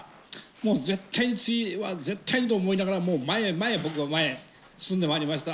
もう絶対に次は絶対にと思いながら、前へ前へ僕は進んでまいりました。